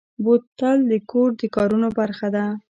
بوتل د کور د کارونو برخه ده.